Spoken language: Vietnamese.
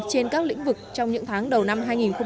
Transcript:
trên các lĩnh vực trong những tháng đầu năm hai nghìn một mươi sáu